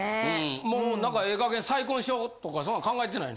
もう何かええ加減再婚しようとかそんなん考えてないの？